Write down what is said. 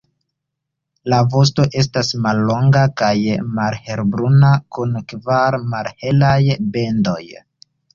La vosto estas mallonga kaj malhelbruna kun kvar malhelaj bendoj.